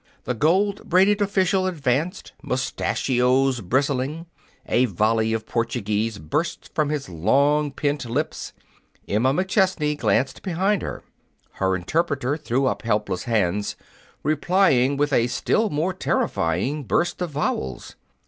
The gold braided official advanced, mustachios bristling. A volley of Portuguese burst from his long pent lips. Emma McChesney glanced behind her. Her interpreter threw up helpless hands, replying with a still more terrifying burst of vowels.